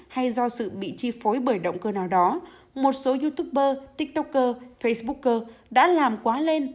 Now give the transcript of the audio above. hay do sự bị chi phối bởi động cơ nào đó một số youtuber tiktoker facebook đã làm quá lên